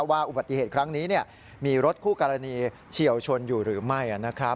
ว่าอุบัติเหตุครั้งนี้มีรถคู่กรณีเฉียวชนอยู่หรือไม่นะครับ